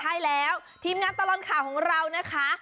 ใช่แล้วทีมงานตลอดข่าวของเรานะคะ